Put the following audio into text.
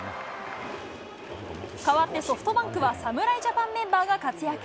変わってソフトバンクは、侍ジャパンメンバーが活躍。